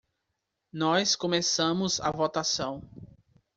Nós começamos a votação.